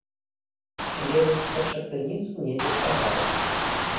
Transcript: Але вось першакрыніцу недзе хаваюць.